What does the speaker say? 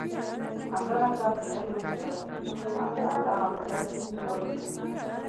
همدارنګه پېړیو حکایتونه هم په همدغه موده کې ولیکل.